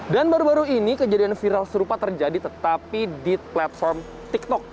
dan baru baru ini kejadian viral serupa terjadi tetapi di platform tiktok